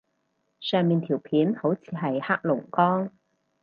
上面條片好似係黑龍江